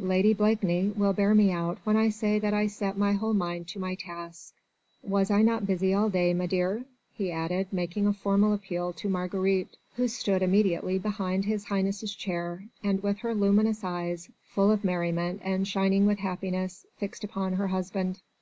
Lady Blakeney will bear me out when I say that I set my whole mind to my task. Was I not busy all day m'dear?" he added, making a formal appeal to Marguerite, who stood immediately behind His Highness' chair, and with her luminous eyes, full of merriment and shining with happiness, fixed upon her husband.